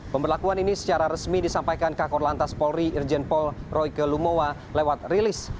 pemberlakuan ini secara resmi disampaikan kakor lantas polri irjen pol royke lumowa lewat rilis